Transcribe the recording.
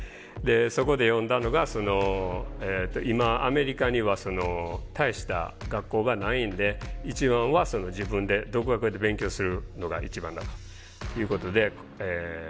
そこで読んだのがその今アメリカには大した学校がないんで一番は自分で独学で勉強するのが一番だということで言われて。